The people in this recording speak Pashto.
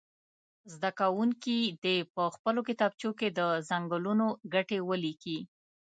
زده کوونکي دې په خپلو کتابچو کې د څنګلونو ګټې ولیکي.